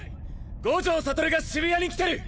五条悟が渋谷に来てる！